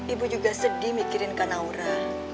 ibu juga sedih mikirin kak naura